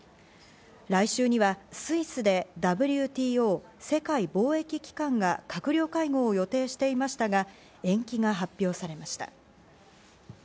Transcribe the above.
来週にはスイスでＷＴＯ＝世界貿易機関が閣僚会合を予定していましたが、延期が発表されました。